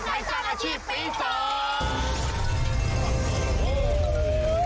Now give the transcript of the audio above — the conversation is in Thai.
ในสร้างอาชีพปีเต้ล